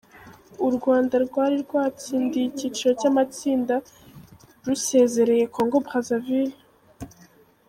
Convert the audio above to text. U Rwanda rwari rwatsindiye icyiciro cy’amatsinda rusezereye Congo-Brazaville.